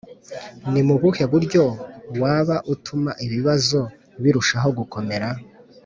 Ni mu buhe buryo waba utuma ibibazo birushaho gukomera